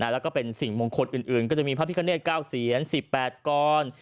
แล้วก็เป็นสิ่งมงคลอื่นก็จะมีพระพิคเนต๙เสียน๑๘กร